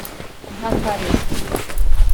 nta kare